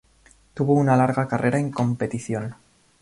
Tuvo una larga carrera en competición.